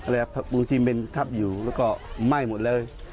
แล้วปูนซีเมนทับอยู่แล้วก็ไหม้หมดเลย